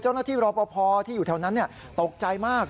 เจ้าหน้าที่รอบอภที่อยู่แถวนั้นตกใจมาก